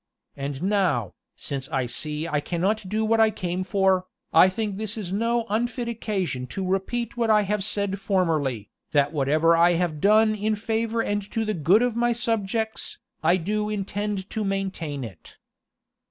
And now, since I see I cannot do what I came for, I think this is no unfit occasion to repeat what I have said formerly, that whatever I have done in favor and to the good of my subjects, I do intend to maintain it."